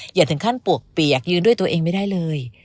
อย่าถึงขั้นปวกเปียกยืนด้วยตัวเองไม่ได้เลย